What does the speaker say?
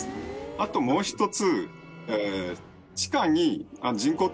あともう一つ。